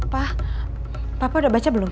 pa papa udah baca belum